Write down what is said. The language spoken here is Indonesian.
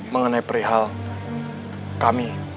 mengenai perihal kami